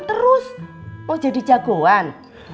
terus mau jadi jagoan